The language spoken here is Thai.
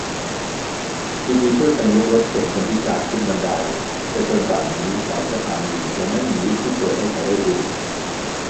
ยินดีช่วยกันยกรถเข็นคนพิการขึ้นบันได -แต่จนป่านนี้ หลายสถานียังไม่มีลิฟต์ที่เปิดให้ใช้ได้เอง